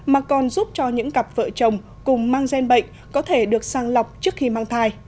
mà còn giúp cho những cặp vợ chồng cùng mang gen bệnh có thể được sang lọc trước khi mang thai